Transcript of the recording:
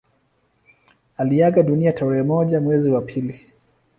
Aliaga dunia tarehe moja mwezi wa pili